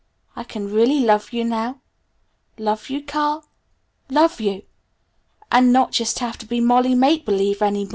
"I can really love you now? Love you, Carl love you! And not have to be just Molly Make Believing any more!"